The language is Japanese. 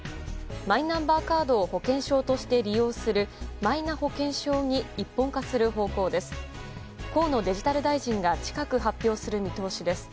マイナンバーカードを保険証として利用するマイナ保険証に一本化する方向です。